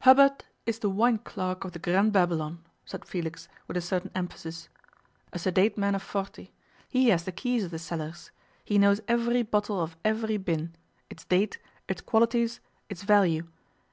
'Hubbard is the wine clerk of the Grand Babylon,' said Felix, with a certain emphasis. 'A sedate man of forty. He has the keys of the cellars. He knows every bottle of every bin, its date, its qualities, its value.